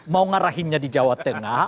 mau ngarahinnya di jawa tengah